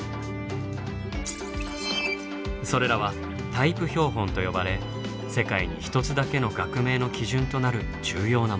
それらはタイプ標本と呼ばれ世界にひとつだけの学名の基準となる重要なもの。